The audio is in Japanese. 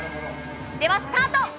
では、スタート。